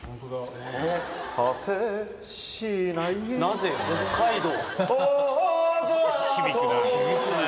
なぜ北海道？